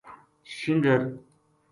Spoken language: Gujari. شنگر